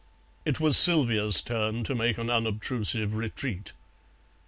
It was Sylvia's turn to make an unobtrusive retreat.